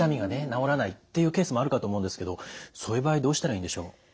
治らないっていうケースもあるかと思うんですけどそういう場合どうしたらいいんでしょう？